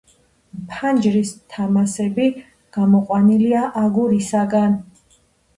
ფანჯრის თამასები გამოყვანილია აგურისაგან.